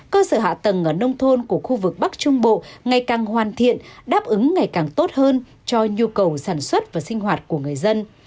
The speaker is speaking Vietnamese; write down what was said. cơ sở hạ tầng ở nông thôn của khu vực bắc trung bộ ngày càng hoàn thiện đáp ứng ngày càng tốt hơn cho nhu cầu sản xuất và sinh hoạt của người dân